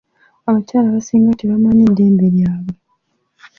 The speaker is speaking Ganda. Abakyala abasinga tebamanyi ddembe lyabwe.